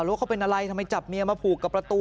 ทำไมมีอาจจะจับเมียไปผูกกับประตู